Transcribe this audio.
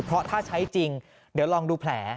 เพราะถ้าใช้จริงเดี๋ยวลองดูแผล